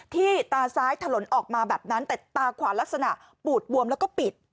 ตาซ้ายถลนออกมาแบบนั้นแต่ตาขวาลักษณะปูดบวมแล้วก็ปิด